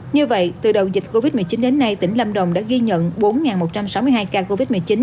như vậy từ đầu dịch covid một mươi chín đến nay tỉnh lâm đồng đã ghi nhận bốn một trăm sáu mươi hai ca covid một mươi chín